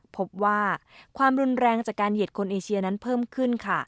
พบว่าความรุนแรงจากการเหยียดคนเอเชียนั้นเพิ่มขึ้นค่ะ